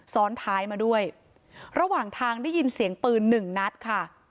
ซ้อนท้ายมาด้วยระหว่างทางได้ยินเสียงปืนหนึ่งนัดค่ะ